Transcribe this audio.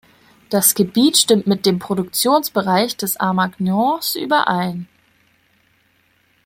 Das Gebiet stimmt mit dem Produktionsbereich des Armagnacs überein.